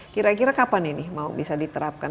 kira kira kapan ini mau bisa diterapkan